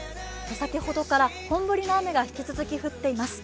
先ほどから本降りの雨が引き続き降っています。